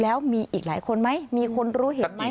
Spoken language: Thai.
แล้วมีอีกหลายคนไหมมีคนรู้เห็นไหม